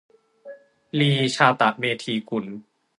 ลี ชาตะเมธีกุล